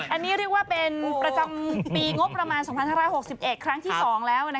อันนี้เรียกว่าเป็นประจำปีงบประมาณ๒๕๖๑ครั้งที่๒แล้ว